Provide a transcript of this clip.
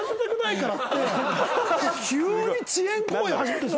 急に遅延行為始めてさ。